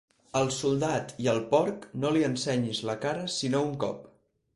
Al soldat i al porc no li ensenyis la cara sinó un cop.